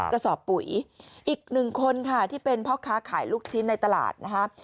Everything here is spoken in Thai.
กระสอบปุ๋ยอีกหนึ่งคนค่ะที่เป็นพ่อค้าขายลูกชิ้นในตลาดนะครับ